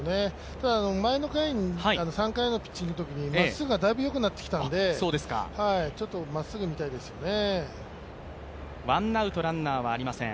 ただ、３回のピッチングのときにまっすぐがだいぶよくなってきたのでちょっとまっすぐ見たいですよね。